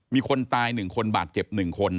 มีคนตายหนึ่งคนบาดเจ็บหนึ่งคน